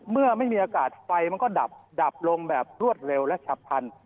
เมื่อไม่มีอากาศไฟมันก็ดับดับลงแบบรวดเร็วและฉับพัน